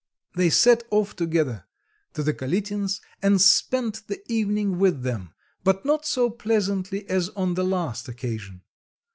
They set off together to the Kalitins' and spent the evening with them, but not so pleasantly as on the last occasion.